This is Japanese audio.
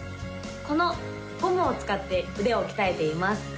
このゴムを使って腕を鍛えています